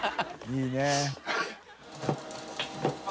いいね。